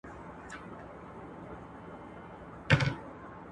ایمان موږ ته د پښېمانۍ او توبې لاره راښیي.